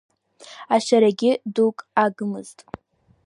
Ашарагьы дук агмызт.